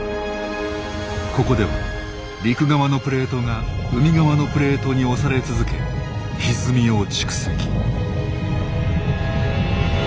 ここでは陸側のプレートが海側のプレートに押され続けひずみを蓄積。